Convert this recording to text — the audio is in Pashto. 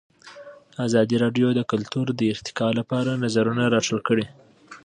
ازادي راډیو د کلتور د ارتقا لپاره نظرونه راټول کړي.